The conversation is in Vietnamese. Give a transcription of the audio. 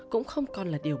cũng không còn là điều gì